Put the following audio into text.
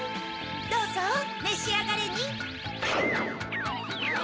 どうぞめしあがれニン！